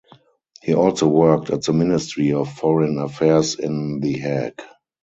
He also worked at the Ministry of Foreign Affairs in The Hague.